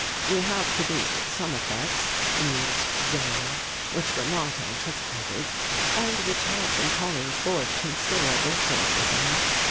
"We have produced some effects," mused Zimmern, "which were not anticipated, and which have been calling forth considerable criticism.